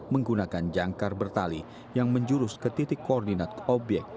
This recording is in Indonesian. menggunakan jangkar bertali yang menjurus ke titik koordinat obyek